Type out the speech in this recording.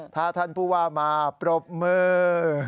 ถ้าท่านผู้ว่ามาปรบมือ